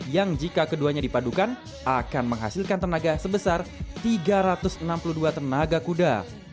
yang jika keduanya dipadukan akan menghasilkan tenaga sebesar tiga ratus enam puluh dua tenaga kuda